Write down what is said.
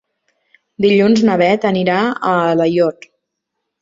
Dilluns na Beth anirà a Alaior.